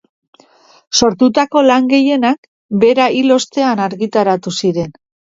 Sortutako lan gehienak bera hil ostean argitaratu ziren.